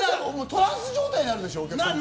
トランス状態になるでしょう？